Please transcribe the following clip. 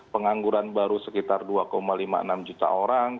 pengangguran baru sekitar dua lima puluh enam juta orang